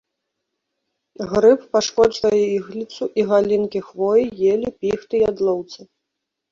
Грыб пашкоджвае ігліцу і галінкі хвоі, елі, піхты, ядлоўца.